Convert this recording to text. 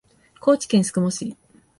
高知県宿毛市